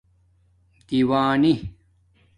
دِیوانی